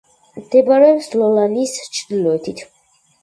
მდებარეობს ლოლანის ჩრდილოეთით.